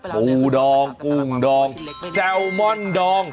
ปูดองกุ้งดองแซลมอนดอง